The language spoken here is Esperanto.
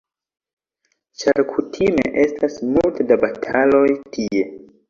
Ĉar kutime estas multe da bataloj tie.